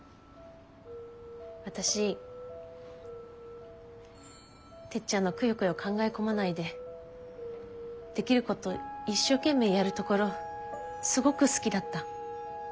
私てっちゃんのくよくよ考え込まないでできること一生懸命やるところすごく好きだった。